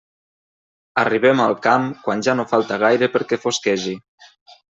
Arribem al camp quan ja no falta gaire perquè fosquegi.